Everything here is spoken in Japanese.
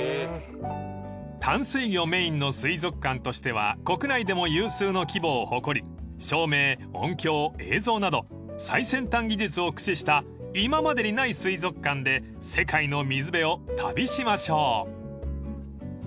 ［淡水魚メインの水族館としては国内でも有数の規模を誇り照明音響映像など最先端技術を駆使した今までにない水族館で世界の水辺を旅しましょう］